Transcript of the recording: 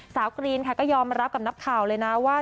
กรีนค่ะก็ยอมรับกับนักข่าวเลยนะว่า